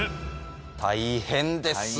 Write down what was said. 大変ですね。